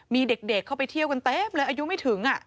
มีเด็กเข้าไปเที่ยวกันเต็มเลยอายุไม่ถึง